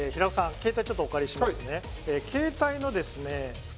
携帯ちょっとお借りしますね携帯のですね